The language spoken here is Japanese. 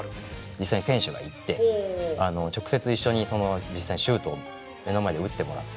実際選手が行って直接いっしょにその実際にシュートを目の前で打ってもらって。